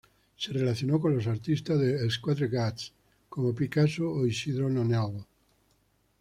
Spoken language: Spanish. Se relacionó con los artistas de Els Quatre Gats, como Picasso o Isidro Nonell.